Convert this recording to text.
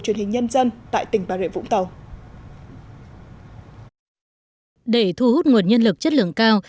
các nhân dân tại tỉnh bà rịa vũng tàu để thu hút nguồn nhân lực chất lượng cao